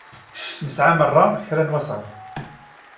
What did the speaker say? Nesɛa merra kra n wasaḍ.